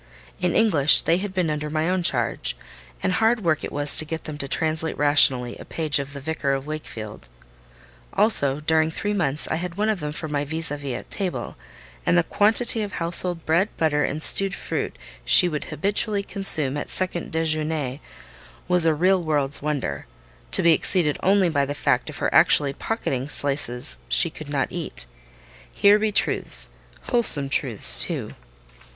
In English, they had been under my own charge, and hard work it was to get them to translate rationally a page of The Vicar of Wakefield. Also during three months I had one of them for my vis à vis at table, and the quantity of household bread, butter, and stewed fruit, she would habitually consume at "second déjeuner" was a real world's wonder—to be exceeded only by the fact of her actually pocketing slices she could not eat. Here be truths—wholesome truths, too.